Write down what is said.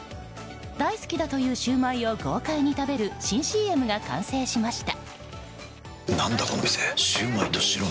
大好きだというシューマイを豪快に食べる新ＣＭが完成しました。